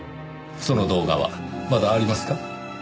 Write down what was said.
その動画はまだありますか？